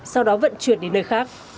sau đó vẫn chuyển đến nơi khác